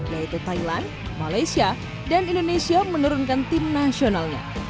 yaitu thailand malaysia dan indonesia menurunkan tim nasionalnya